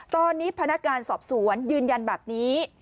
ตอนนี้พนักงานสอบสวนยืนยันแบบนี้